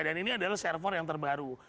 dan ini adalah server yang terbaru